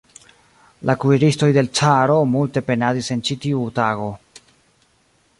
La kuiristoj de l' caro multe penadis en ĉi tiu tago.